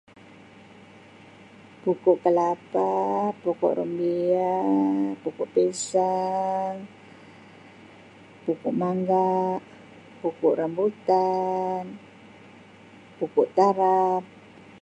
Pokok kelapa, pokok rumbia, pokok pisang, pokok mangga, pokok rambutan, pokok tarap.